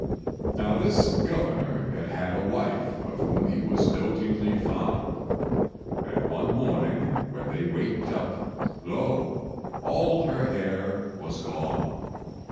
Now this Governor had had a wife of whom he was dotingly fond; and one morning when they waked up, lo! all her hair was gone.